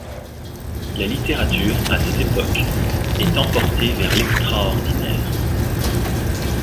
La littérature, à cette époque, est emportée vers l’extraordinaire.